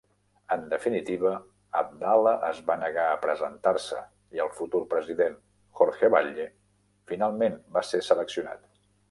En definitiva, Abdala es va negar a presentar-se i el futur president, Jorge Batlle, finalment va ser seleccionat.